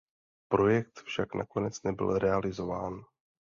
Projekt však nakonec nebyl realizován.